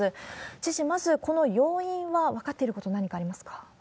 知事、まずこの要因は分かっていること、何かありますか？